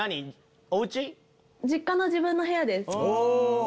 実家の自分の部屋です。